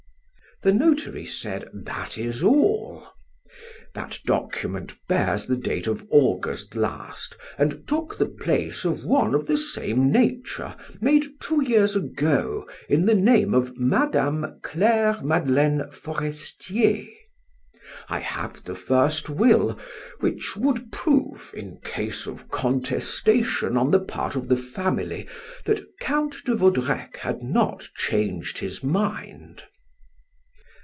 '" The notary said: "That is all. That document bears the date of August last, and took the place of one of the same nature made two years ago in the name of Mme. Claire Madeleine Forestier. I have the first will, which would prove, in case of contestation on the part of the family, that Count de Vaudrec had not changed his mind."